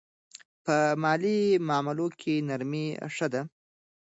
په مالي معاملو کې نرمي ښه ده.